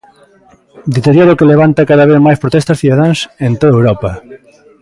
Deterioro que levanta cada vez mais protestas cidadáns en toda Europa.